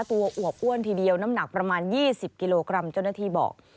อวบอ้วนทีเดียวน้ำหนักประมาณ๒๐กิโลกรัมเจ้าหน้าที่บอก